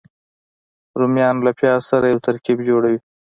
رومیان له پیاز سره یو ترکیب جوړوي